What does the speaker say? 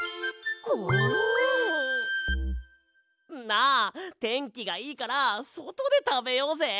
なあてんきがいいからそとでたべようぜ！